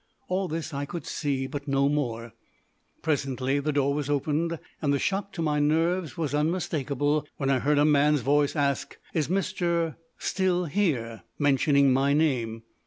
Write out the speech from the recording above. All this I could see, but no more. Presently the door was opened, and the shock to my nerves was unmistakable when I heard a man's voice ask, "Is Mr. still here?" mentioning my name.